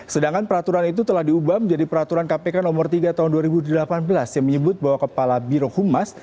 sedangkan peraturan itu telah diubah menjadi peraturan kpk nomor tiga tahun dua ribu delapan belas yang menyebut bahwa kepala birohumas